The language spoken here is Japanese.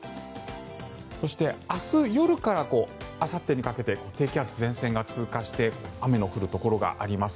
そして、明日夜からあさってにかけて低気圧、前線が通過して雨の降るところがあります。